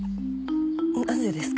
なぜですか？